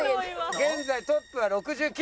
現在トップは６９。